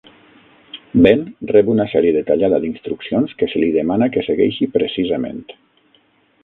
Ben rep una sèrie detallada d'instruccions que se li demana que segueixi precisament.